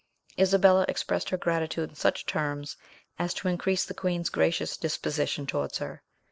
Isabella expressed her gratitude in such terms as to increase the queen's gracious disposition towards her.